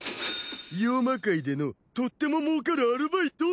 妖魔界でのとっても儲かるアルバイト！？